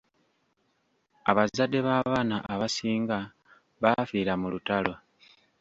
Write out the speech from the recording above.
Abazadde b’abaana abasinga baafiira mu lutalo.